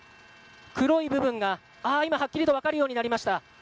黒い部分が、はっきりと分かるようになりました。